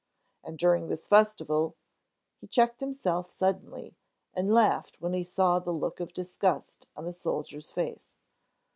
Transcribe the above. And during this festival——" He checked himself suddenly, and laughed when he saw the look of disgust on the soldier's face.